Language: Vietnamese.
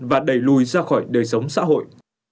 và đẩy lùi ra khỏi đời sống xã hội